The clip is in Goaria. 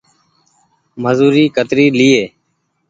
مزوري ڪتري ليئي ۔